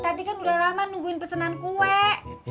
tati kan udah lama nungguin pesenan kue